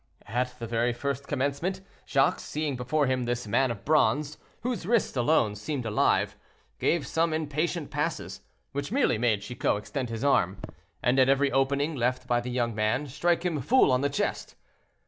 At the very first commencement, Jacques, seeing before him this man of bronze, whose wrist alone seemed alive, gave some impatient passes, which merely made Chicot extend his arm, and at every opening left by the young man, strike him full on the chest.